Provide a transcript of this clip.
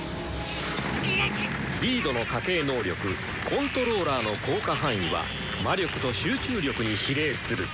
リードの家系能力「感覚強盗」の効果範囲は魔力と集中力に比例する！